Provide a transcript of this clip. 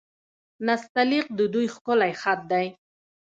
نستعلیق د دوی ښکلی خط دی.